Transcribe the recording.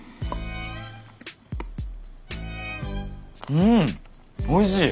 うんおいしい。